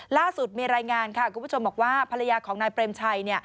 ล่าสุดมีรายงานค่ะคุณผู้ชมบอกว่าภรรยาของนายเปรมชัย